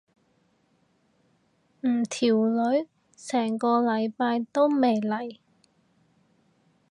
唔條女成個禮拜都未嚟。